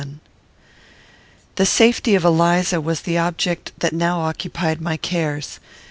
The safety of Eliza was the object that now occupied my cares.